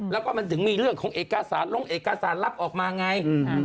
แล้วก็มันถึงมีเรื่องของเอกสารลงเอกสารลับออกมาไง